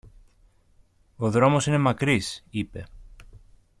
Ο δρόμος είναι μακρύς, είπε.